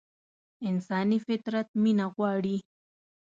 انساني فطرت مينه غواړي.